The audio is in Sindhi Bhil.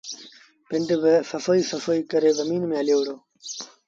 پنڊ با سسئيٚ سسئيٚ ڪري زميݩ ميݩ هليو وُهڙو۔